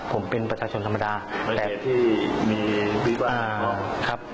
ผมเป็นประชาชนธรรมดามีเหตุที่มีปีกว่าอ่าครับ